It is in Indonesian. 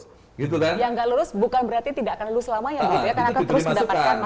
yang gak lulus bukan berarti tidak akan lulus selama ya karena akan terus mendapatkan masukan